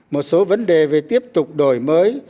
một số vấn đề về tiếp tục đổi mới